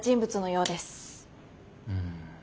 うん。